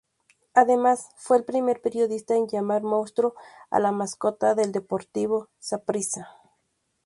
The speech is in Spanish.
Además fue el primer periodista en llamar "Monstruo" a la mascota del Deportivo Saprissa.